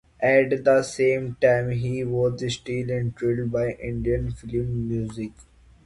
At the same time, he was still enthralled by Indian film music.